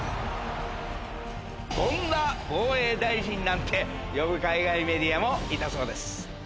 権田防衛大臣なんて呼ぶ海外メディアもいたそうです。